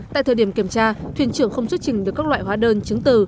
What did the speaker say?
tại thời điểm kiểm tra thuyền trưởng không xuất trình được các loại hóa đơn chứng từ